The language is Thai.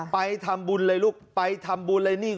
ไปทำบุญเลยลูกไปทำบุญเลยนี่